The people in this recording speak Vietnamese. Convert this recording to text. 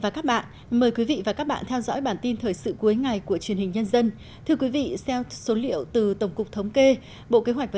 các bạn hãy đăng ký kênh để ủng hộ kênh của chúng mình nhé